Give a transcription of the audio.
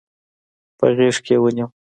په غېږ کې يې ونيو.